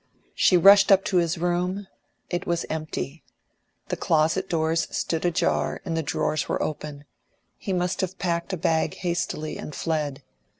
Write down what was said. She rushed up to his room; it was empty; the closet doors stood ajar and the drawers were open; he must have packed a bag hastily and fled.